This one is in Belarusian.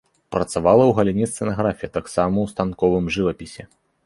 Працавала ў галіне сцэнаграфіі, а таксама ў станковым жывапісе.